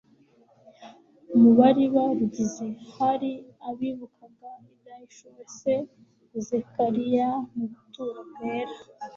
Mu bari barugize, hari abibukaga ibyahishuriwe se Zakariya mu buturo bwera